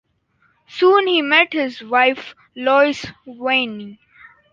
Soon he met his wife Lois Wynne.